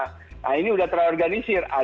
nah ini udah terorganisir